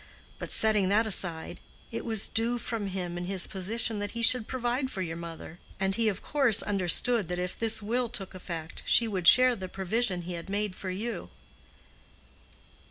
But setting that aside, it was due from him in his position that he should provide for your mother, and he of course understood that if this will took effect she would share the provision he had made for you."